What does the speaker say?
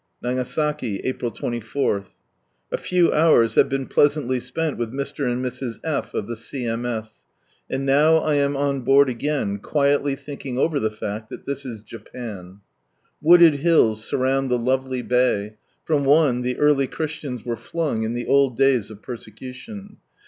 Nagasaki, April 24.— A few hours have been pleasantly spent with Mr, and Mrs. F. of the C.M.S. and now I am on board again, quietly thinking over the fact that this is Japan. Wooded hills surround the lovely Bay; from one, the early Christians were flung in the old days of persecution.